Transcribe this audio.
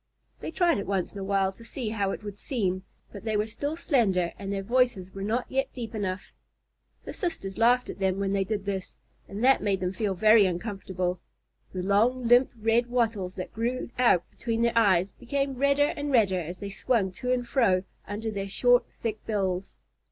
They tried it once in a while to see how it would seem, but they were still slender and their voices were not yet deep enough. The sisters laughed at them when they did this, and that made them feel very uncomfortable. The long, limp red wattles that grew out between their eyes became redder and redder as they swung to and fro under their short, thick bills.